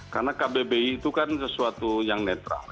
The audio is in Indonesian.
karena kbbi itu kan sesuatu yang netral